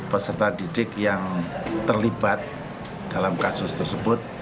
peserta didik yang terlibat dalam kasus tersebut